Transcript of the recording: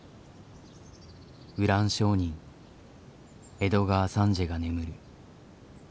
ウラン商人エドガー・サンジエが眠る。